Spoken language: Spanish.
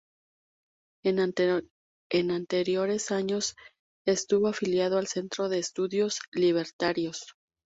En anteriores años, estuvo afiliado al Centro de Estudios Libertarios.